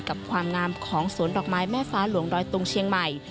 กับความงามของสวนดอกไม้แม่ฟ้าหลวงดอยตุงเชียงใหม่